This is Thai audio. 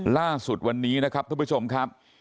ล่าสุดวันนี้นะครับทุกผู้ชมครับ